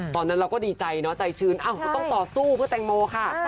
ตอนนั้นเราก็ดีใจเนอะใจชื้นก็ต้องต่อสู้เพื่อแตงโมค่ะ